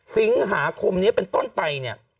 สิงหาคมนี้เป็นต้นไปเนี่ย